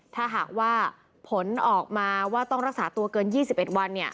ถ้าหากว่าผลออกมาว่าต้องรักษาตัวเกิน๒๑วัน